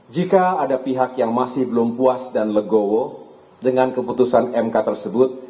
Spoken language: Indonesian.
jika ada pihak yang masih belum puas dan legowo dengan keputusan mk tersebut